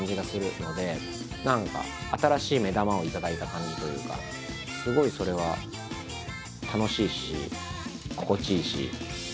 何か新しい目玉を頂いた感じというかすごいそれは楽しいし心地いいし。